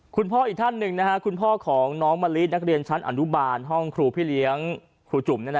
คุณพ่ออีกท่านหนึ่งคุณพ่อของน้องมะลินักเรียนชั้นอนุบาลห้องครูพี่เลี้ยงครูจุ่ม